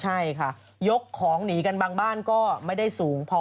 ใช่ค่ะยกของหนีกันบางบ้านก็ไม่ได้สูงพอ